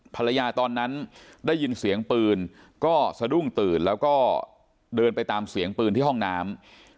ตอนนั้นได้ยินเสียงปืนก็สะดุ้งตื่นแล้วก็เดินไปตามเสียงปืนที่ห้องน้ำ